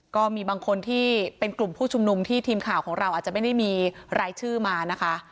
ก็มีบางคนที่เป็นกลุ่มผู้ชุมนุมที่ทีมข่าวของเราอาจจะไม่ได้มีรายชื่อมานะคะ